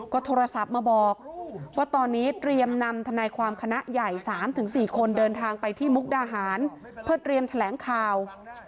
ก็โทรศัพท์มาบอกว่าตอนนี้เตรียมนำทนายความคณะใหญ่๓๔คนเดินทางไปที่มุกดาหารเพื่อเตรียมแถลงข่าว